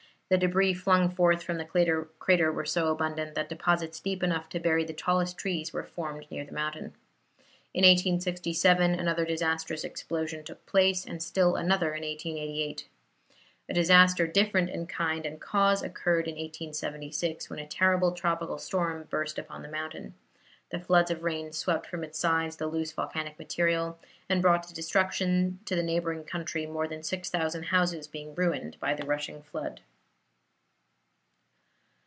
The debris flung forth from the crater were so abundant that deposits deep enough to bury the tallest trees were formed near the mountain. In 1867 another disastrous explosion took place, and still another in 1888. A disaster different in kind and cause occurred in 1876, when a terrible tropical storm burst upon the mountain. The floods of rain swept from its sides the loose volcanic material, and brought destruction to the neighboring country, more than six thousand houses being ruined by the rushing flood.